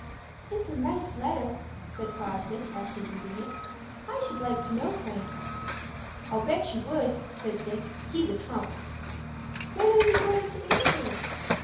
"It's a nice letter," said Fosdick, after reading it. "I should like to know Frank." "I'll bet you would," said Dick. "He's a trump." "When are you going to answer it?"